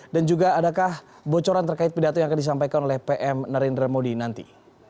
dan juga adakah bocoran terkait pidato yang akan disampaikan oleh pm narendra modi nanti